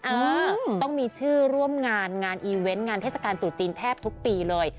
เออต้องมีชื่อร่วมงานงานอีเวนต์งานเทศกาลตรุษจีนแทบทุกปีเลย